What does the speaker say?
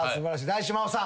大地真央さん